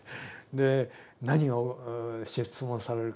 で何を質問されるかと。